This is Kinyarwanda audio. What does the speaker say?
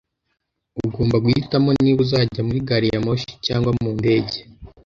Ugomba guhitamo niba uzajya muri gari ya moshi cyangwa mu ndege